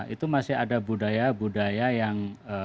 itu masih ada budaya budaya yang